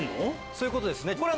そういうことですね。